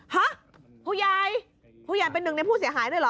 ฮะผู้ใหญ่ผู้ใหญ่เป็นหนึ่งในผู้เสียหายด้วยเหรอ